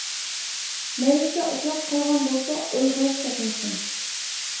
مەلىكە ئۇخلاپ قالغان بولسا ئويغىنىپ كەتمىسۇن.